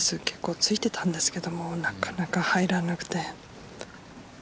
結構ついてたんですけどもなかなか入らなくて。